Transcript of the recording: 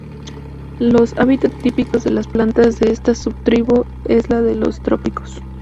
Los hábitats típicos de las plantas de esta sub-tribu es la de los trópicos.